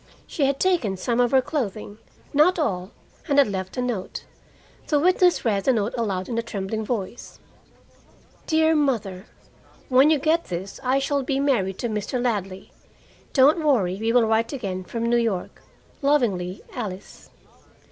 She had taken some of her clothing not all, and had left a note. The witness read the note aloud in a trembling voice: "DEAR MOTHER: When you get this I shall be married to Mr. Ladley. Don't worry. Will write again from N.Y. Lovingly, "ALICE."